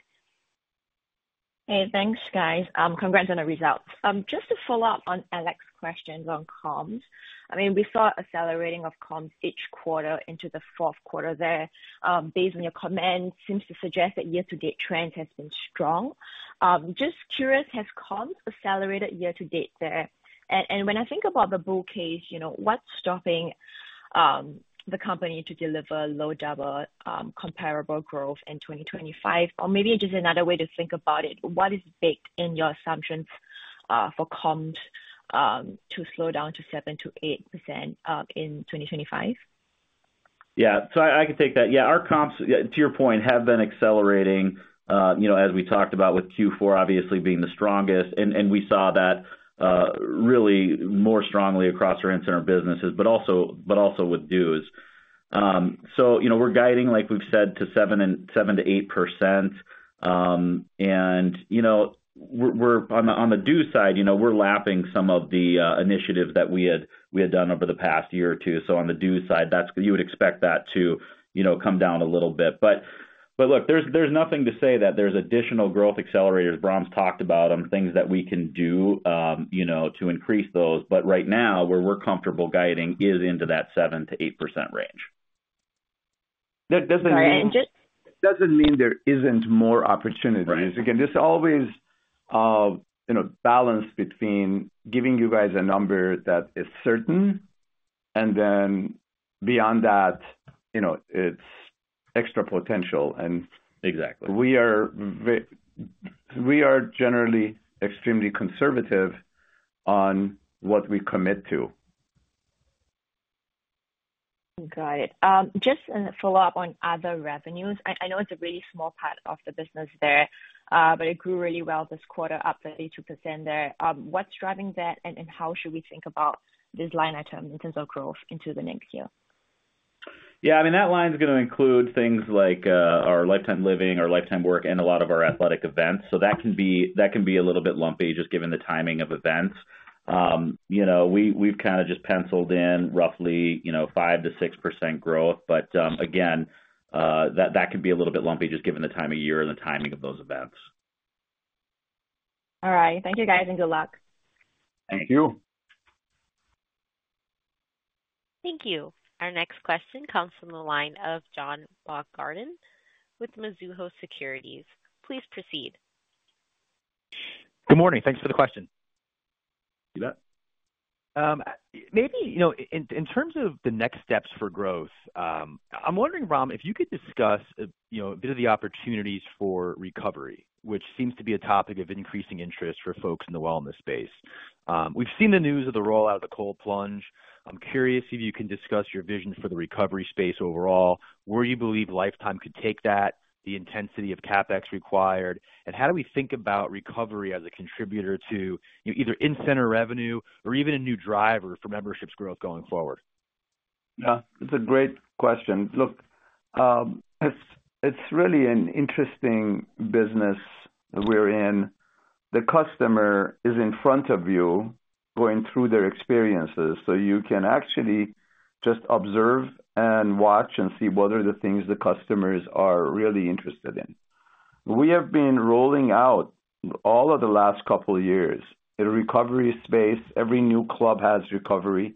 Hey, thanks, guys. Congrats on the results. Just to follow up on Alex's questions on comps. I mean, we saw accelerating of comps each quarter into the fourth quarter there. Based on your comments, it seems to suggest that year-to-date trend has been strong. Just curious, has comps accelerated year-to-date there? And when I think about the bull case, what's stopping the company to deliver low double comparable growth in 2025? Or maybe just another way to think about it, what is baked in your assumptions for comps to slow down to 7%-8% in 2025? Yeah. So I could take that. Yeah. Our comps, to your point, have been accelerating as we talked about with Q4 obviously being the strongest. And we saw that really more strongly across our in-center businesses, but also with dues. So we're guiding, like we've said, to 7%-8%. And on the dues side, we're lapping some of the initiatives that we had done over the past year or two. So on the dues side, you would expect that to come down a little bit. But look, there's nothing to say that there's additional growth accelerators. Bahram's talked about them, things that we can do to increase those. But right now, where we're comfortable guiding is into that 7%-8% range. Sorry. And just. It doesn't mean there isn't more opportunities. Again, there's always balance between giving you guys a number that is certain and then beyond that, it's extra potential. And we are generally extremely conservative on what we commit to. Got it. Just a follow-up on other revenues. I know it's a really small part of the business there, but it grew really well this quarter, up 32% there. What's driving that, and how should we think about this line item in terms of growth into the next year? Yeah. I mean, that line's going to include things like our Life Time Living, our Life Time Work, and a lot of our athletic events. So that can be a little bit lumpy just given the timing of events. We've kind of just penciled in roughly 5%-6% growth. But again, that can be a little bit lumpy just given the time of year and the timing of those events. All right. Thank you, guys, and good luck. Thank you. Thank you. Our next question comes from the line of John Baumgartner with Mizuho Securities. Please proceed. Good morning. Thanks for the question. You bet. Maybe in terms of the next steps for growth, I'm wondering, Bahram, if you could discuss a bit of the opportunities for recovery, which seems to be a topic of increasing interest for folks in the wellness space. We've seen the news of the rollout of the cold plunge. I'm curious if you can discuss your vision for the recovery space overall, where you believe Life Time could take that, the intensity of CapEx required, and how do we think about recovery as a contributor to either in-center revenue or even a new driver for memberships growth going forward? Yeah. It's a great question. Look, it's really an interesting business we're in. The customer is in front of you going through their experiences. So you can actually just observe and watch and see what are the things the customers are really interested in. We have been rolling out all of the last couple of years in a recovery space. Every new club has recovery.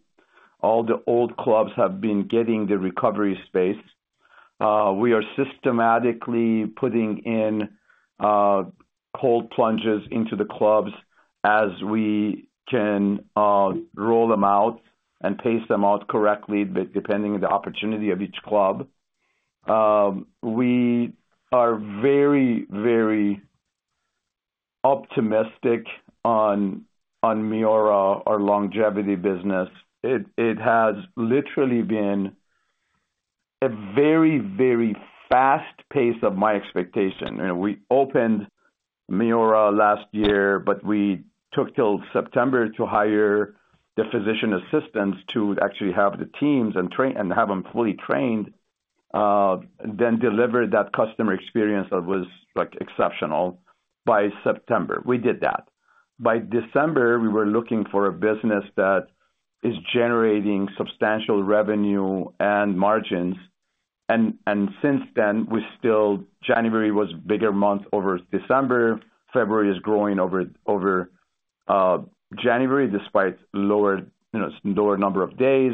All the old clubs have been getting the recovery space. We are systematically putting in cold plunges into the clubs as we can roll them out and pace them out correctly depending on the opportunity of each club. We are very, very optimistic on MIORA, our longevity business. It has literally been a very, very fast pace of my expectation. We opened MIORA last year, but we took till September to hire the physician assistants to actually have the teams and have them fully trained, then deliver that customer experience that was exceptional by September. We did that. By December, we were looking for a business that is generating substantial revenue and margins, and since then, still, January was a bigger month over December. February is growing over January despite lower number of days.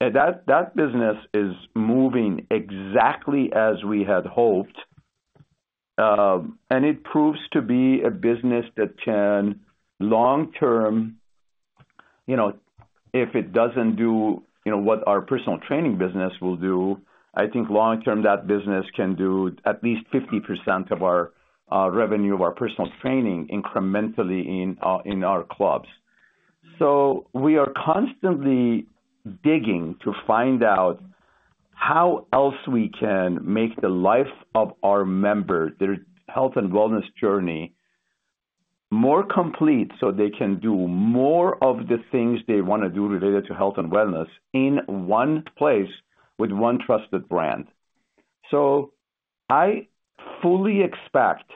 That business is moving exactly as we had hoped, and it proves to be a business that can, long-term, if it doesn't do what our personal training business will do. I think long-term that business can do at least 50% of our revenue of our personal training incrementally in our clubs. So we are constantly digging to find out how else we can make the life of our member, their health and wellness journey, more complete so they can do more of the things they want to do related to health and wellness in one place with one trusted brand. So I fully expect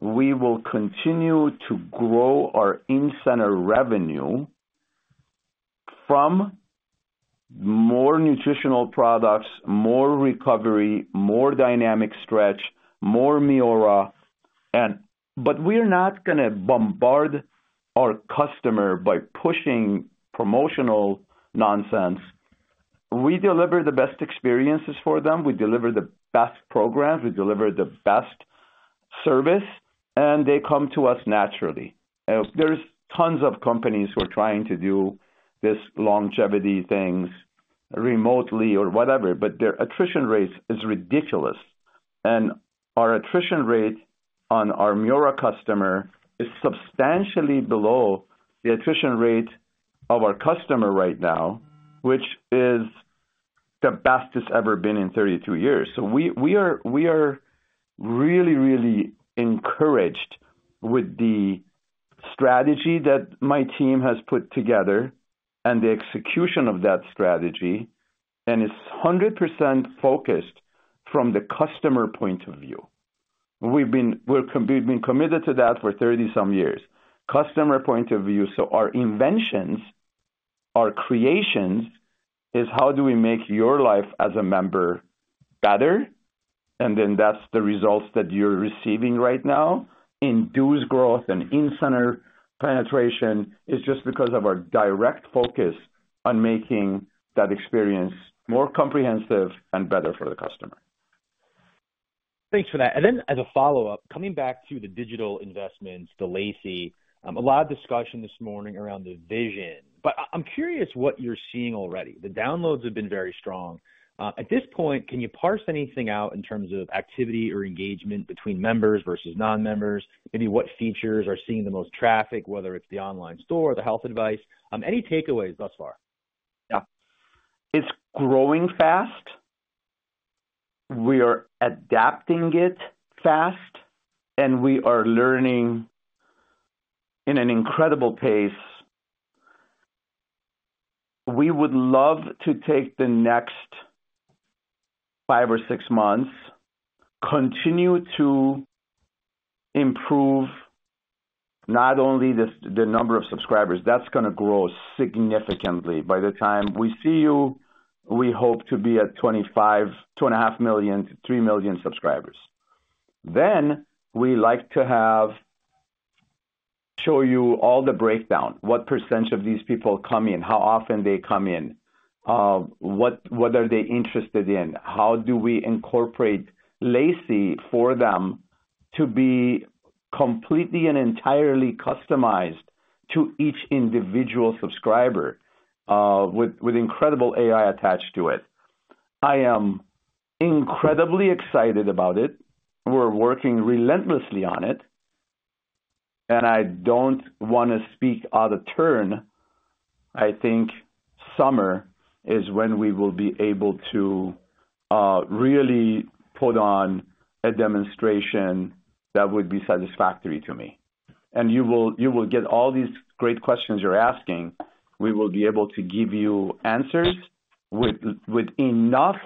we will continue to grow our in-center revenue from more nutritional products, more recovery, more dynamic stretch, more MIORA. But we're not going to bombard our customer by pushing promotional nonsense. We deliver the best experiences for them. We deliver the best programs. We deliver the best service. And they come to us naturally. There's tons of companies who are trying to do this longevity things remotely or whatever, but their attrition rate is ridiculous. And our attrition rate on our MIORA customer is substantially below the attrition rate of our customer right now, which is the best it's ever been in 32 years. So we are really, really encouraged with the strategy that my team has put together and the execution of that strategy. And it's 100% focused from the customer point of view. We've been committed to that for 30-some years. Customer point of view. So our inventions, our creations is how do we make your life as a member better? And then that's the results that you're receiving right now in dues growth and in-center penetration is just because of our direct focus on making that experience more comprehensive and better for the customer. Thanks for that. And then as a follow-up, coming back to the digital investments, the Lacey, a lot of discussion this morning around the vision. But I'm curious what you're seeing already. The downloads have been very strong. At this point, can you parse anything out in terms of activity or engagement between members versus non-members? Maybe what features are seeing the most traffic, whether it's the online store, the health advice? Any takeaways thus far? Yeah. It's growing fast. We are adapting it fast, and we are learning in an incredible pace. We would love to take the next five or six months, continue to improve not only the number of subscribers. That's going to grow significantly. By the time we see you, we hope to be at 2.5 million, 3 million subscribers. Then we like to show you all the breakdown, what percentage of these people come in, how often they come in, what are they interested in, how do we incorporate Lacey for them to be completely and entirely customized to each individual subscriber with incredible AI attached to it. I am incredibly excited about it. We're working relentlessly on it. I don't want to speak out of turn. I think summer is when we will be able to really put on a demonstration that would be satisfactory to me. You will get all these great questions you're asking. We will be able to give you answers with enough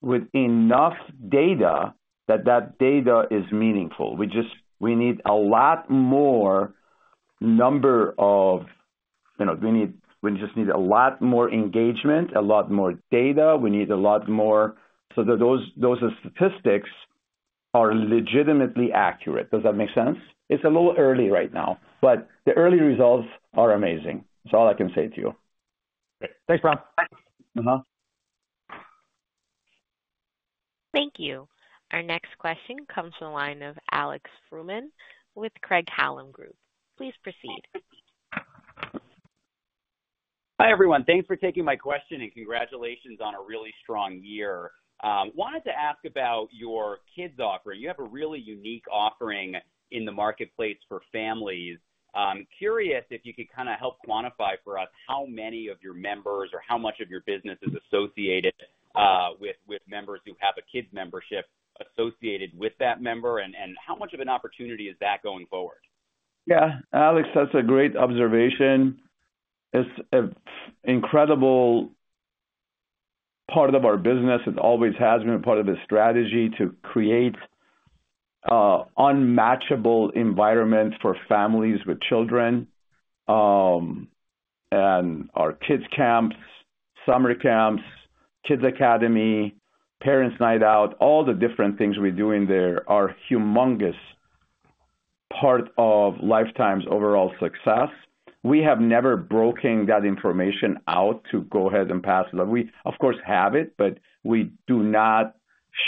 data that data is meaningful. We just need a lot more engagement, a lot more data. We need a lot more so that those statistics are legitimately accurate. Does that make sense? It's a little early right now, but the early results are amazing. That's all I can say to you. Great. Thanks, Bahram. Thank you. Our next question comes from the line of Alex Fuhrman with Craig-Hallum Capital Group. Please proceed. Hi, everyone. Thanks for taking my question and congratulations on a really strong year. Wanted to ask about your kids' offering. You have a really unique offering in the marketplace for families. Curious if you could kind of help quantify for us how many of your members or how much of your business is associated with members who have a kids' membership associated with that member, and how much of an opportunity is that going forward? Yeah. Alex, that's a great observation. It's an incredible part of our business. It always has been a part of the strategy to create unmatchable environments for families with children. And our Kids' Camps, Summer Camps, Kids Academy, Parents' Night Out, all the different things we're doing there are humongous part of Life Time's overall success. We have never broken that information out to go ahead and pass it. We, of course, have it, but we do not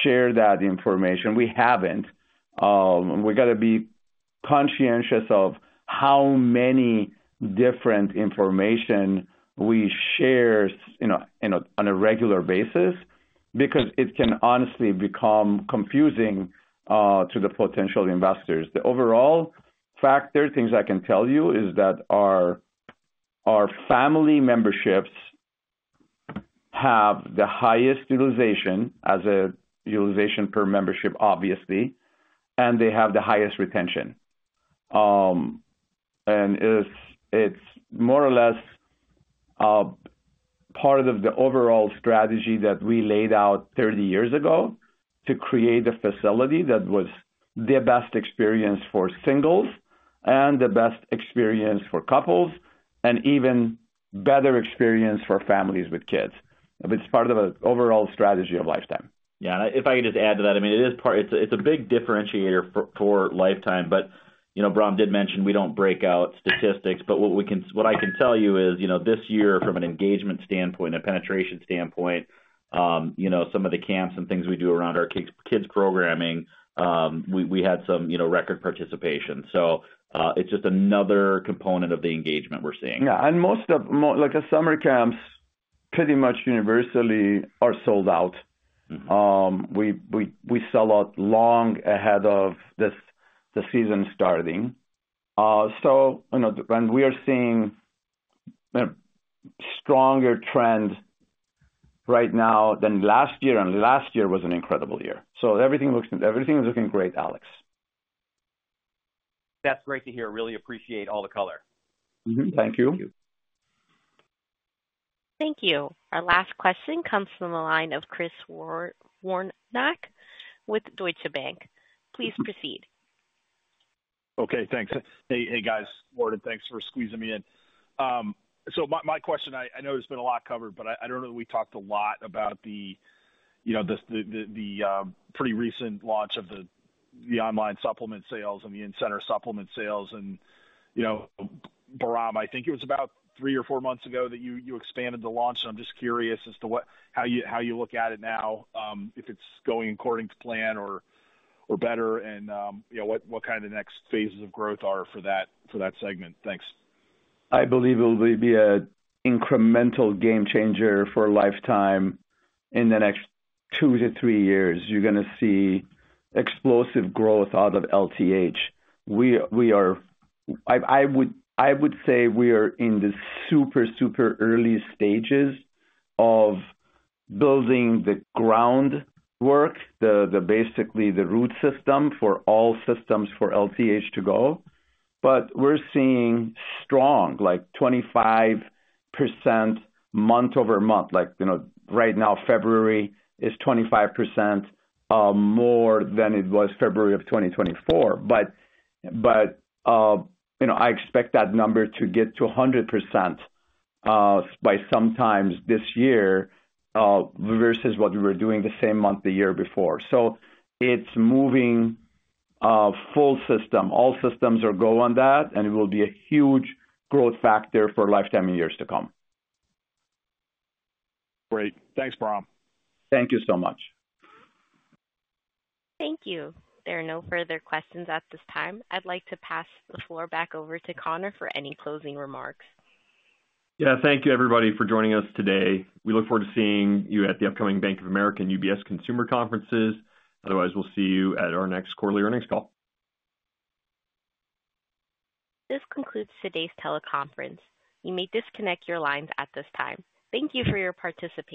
share that information. We haven't. We've got to be conscientious of how many different information we share on a regular basis because it can honestly become confusing to the potential investors. The overall factor, things I can tell you, is that our family memberships have the highest utilization as a utilization per membership, obviously, and they have the highest retention. It's more or less part of the overall strategy that we laid out 30 years ago to create a facility that was the best experience for singles and the best experience for couples and even better experience for families with kids. It's part of the overall strategy of Life Time. Yeah, and if I could just add to that, I mean, it's a big differentiator for Life Time, but Bahram did mention we don't break out statistics, but what I can tell you is this year, from an engagement standpoint, a penetration standpoint, some of the camps and things we do around our kids' programming, we had some record participation, so it's just another component of the engagement we're seeing. Yeah. And most of the Summer Camps pretty much universally are sold out. We sell out long ahead of the season starting. So we are seeing a stronger trend right now than last year, and last year was an incredible year. So everything is looking great, Alex. That's great to hear. Really appreciate all the color. Thank you. Thank you. Our last question comes from the line of Chris Woronka with Deutsche Bank. Please proceed. Okay. Thanks. Hey, guys. Thanks for squeezing me in. So my question, I know there's been a lot covered, but I don't know that we talked a lot about the pretty recent launch of the online supplement sales and the in-center supplement sales. And Bahram, I think it was about three or four months ago that you expanded the launch. And I'm just curious as to how you look at it now, if it's going according to plan or better, and what kind of the next phases of growth are for that segment. Thanks. I believe it will be an incremental game changer for Life Time in the next two to three years. You're going to see explosive growth out of LTH. I would say we are in the super, super early stages of building the groundwork, basically the root system for all systems for LTH to go. But we're seeing strong 25% month over month. Right now, February is 25% more than it was February of 2024. But I expect that number to get to 100% by sometime this year versus what we were doing the same month the year before. So it's moving full system. All systems are going on that, and it will be a huge growth factor for Life Time in years to come. Great. Thanks, Bahram. Thank you so much. Thank you. There are no further questions at this time. I'd like to pass the floor back over to Connor for any closing remarks. Yeah. Thank you, everybody, for joining us today. We look forward to seeing you at the upcoming Bank of America and UBS consumer conferences. Otherwise, we'll see you at our next quarterly earnings call. This concludes today's teleconference. You may disconnect your lines at this time. Thank you for your participation.